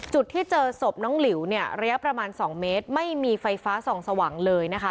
จุดที่เจอศพน้องหลิวเนี่ยระยะประมาณ๒เมตรไม่มีไฟฟ้าส่องสว่างเลยนะคะ